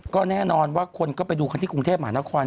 ก็แน่นอนว่าคนก็ไปดูกันที่กรุงเทพหมานคร